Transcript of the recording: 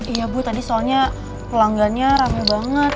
iya bu tadi soalnya pelanggannya rame banget